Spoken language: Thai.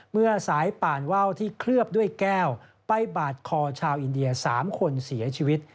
เมื่อสายป่านว่าวที่เคลือบด้วยแก้วไปบาดคอชาวอินเดีย๓คนเสียชีวิต